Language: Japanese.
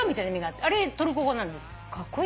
あれトルコ語なんです。